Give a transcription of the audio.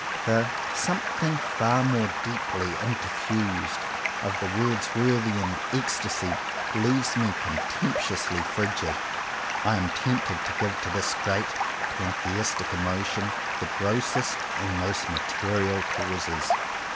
The "something far more deeply interfused" of the Words worthian ecstasy leaves me contemptuously frigid. I am tempted to give to this great pantheistic emotion the grossest and most material causes.